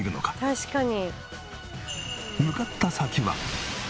確かに。